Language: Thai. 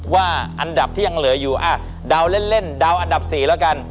ว่าอันดับที่ยังเหลืออยู่เดาเล่นเดาอันดับ๔แล้วกัน